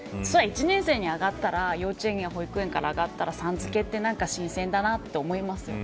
１年生に上がったら幼稚園や保育園から上がったらさん付けって何か新鮮だなと思いますよ。